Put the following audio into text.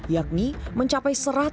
yakni mencapai seratus aduan